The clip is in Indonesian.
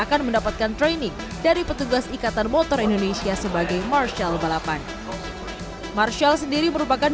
kemudian ada training crowd control segala jadi kalau terlalu banyak kendaraan yang berseliwaran